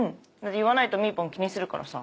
言わないとみーぽん気にするからさ。